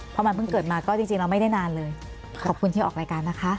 เพราะมันเพิ่งเกิดมาก็จริงเราไม่ได้นานเลยขอบคุณที่ออกรายการนะคะ